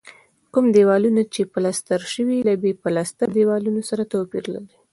کوم دېوالونه چې پلستر شوي له بې پلستره دیوالونو سره توپیر لري.